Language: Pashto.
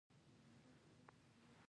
تجربه ذهن ته ژوند بښي.